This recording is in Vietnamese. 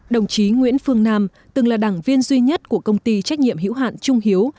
đồng chí nguyễn phương nam từng là đảng viên duy nhất của công ty trách nhiệm hữu hạn trung hiếu